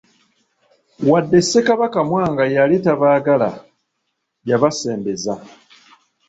Wadde Ssekabaka Mwanga yali tabaagala, yabasembeza.